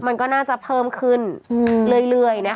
มันก็น่าจะเพิ่มขึ้นเรื่อย